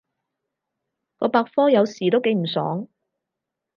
個百科有時都幾唔爽